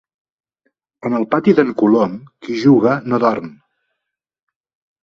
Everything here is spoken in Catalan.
En el pati d'en Colom, qui juga no dorm.